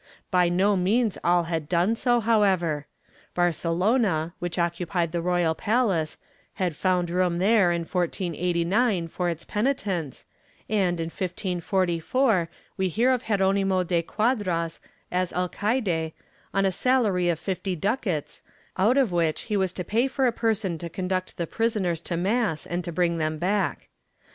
* By no means all had done so however. Barcelona, which occupied the royal palace, had found room there, in 1489, for its penitents, and in 1544 we hear of Geronimo de Quadras as alcaide, on a salary of fifty ducats, out of which he was to pay for a person to conduct the prisoners to mass and to bring them back.